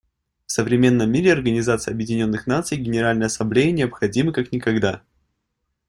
В современном мире Организация Объединенных Наций и Генеральная Ассамблея необходимы как никогда.